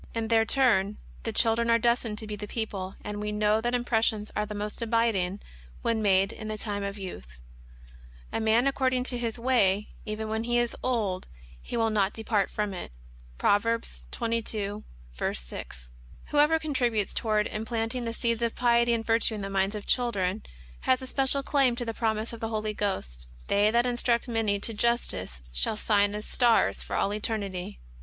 In their turn the children are destined to be the people ; and we know that impressions are the more abiding when made in the time of youth : "A young man according to his way, even when he is old he will not depart from it." (Prov. 22. 6). Whoever contributes toward implant ing the seeds of piety and virtue in the minds of chil dren, has a special claim to the promise of the Holy Ghost :" They that instruct many to justice, shall shine as stars for all eternity."